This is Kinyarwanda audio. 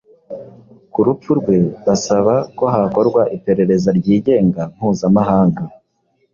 ku rupfu rwe, basaba ko hakorwa iperereza ryigenga mpuzamahanga.